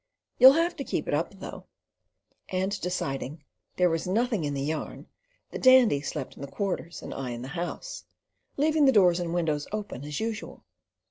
You'll have to keep it up, though"; and deciding "there was nothing in the yarn," the Dandy slept in the Quarters, and I in the House, leaving the doors and windows open as usual.